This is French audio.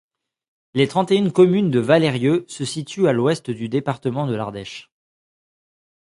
Les trente-et-une communes de Val'Eyrieux se situent à l'ouest du département de l'Ardèche.